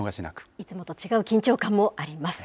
いつもと違う緊張感もあります。